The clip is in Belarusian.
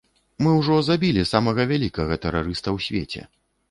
Мы ўжо забілі самага вялікага тэрарыста ў свеце.